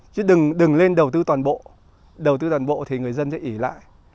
chứ đừng lên đầu tư toàn bộ đầu tư toàn bộ thì người dân sẽ ỉ lại